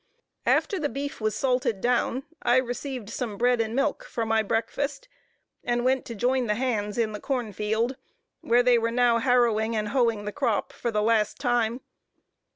After the beef was salted down, I received some bread and milk for my breakfast, and went to join the hands in the corn field, where they were now harrowing and hoeing the crop for the last time.